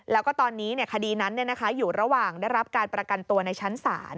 แล้วก็ตอนนี้คดีนั้นอยู่ระหว่างได้รับการประกันตัวในชั้นศาล